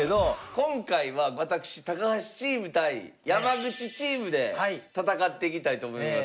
今回は私高橋チーム対山口チームで戦っていきたいと思います。